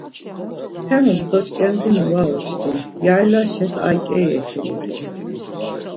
Hemus doç̌ǩendinu var uçkin, yaylaşe t̆aiǩeri eşulut̆u.